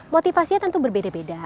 motivasinya tentu berbeda beda